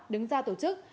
đứng ra tổ chức